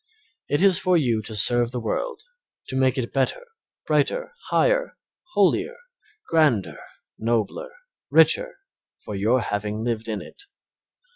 It is for you to serve the world, to make it better, brighter, higher, holier, grander, nobler, richer, for your having lived in it.